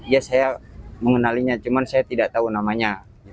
ya saya mengenalinya cuma saya tidak tahu namanya